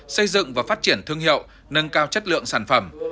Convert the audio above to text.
xây dựng và phát triển thương hiệu nâng cao chất lượng sản phẩm